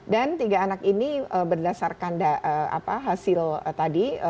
dan tiga anak ini berdasarkan hasil tadi